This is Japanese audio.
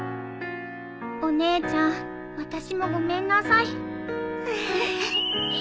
お姉ちゃん私もごめんなさい。